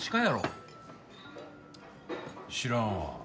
知らんわ。